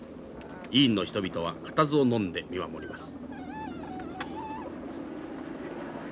委員の人々は固唾をのんで見守ります。